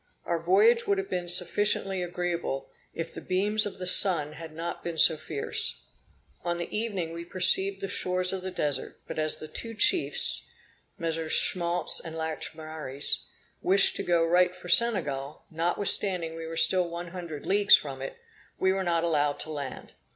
Our voyage would have been sufficiently agreeable, if the beams of the sun had not been so fierce. On the evening we perceived the shores of the Desert; but as the two chiefs (MM. Schmaltz and Lachaumareys) wished to go right for Senegal, notwithstanding we were still one hundred leagues from it, we were not allowed to land.